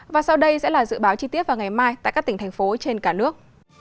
và sau đây sẽ là dự báo chi tiết vào ngày mai tại các tỉnh thành phố trên cả nước